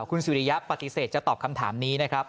คุณสุริยะปฏิเสธจะตอบคำถามนี้นะครับ